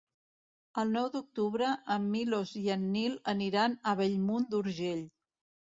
El nou d'octubre en Milos i en Nil aniran a Bellmunt d'Urgell.